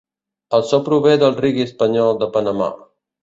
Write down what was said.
El so prové del reggae espanyol de Panamà.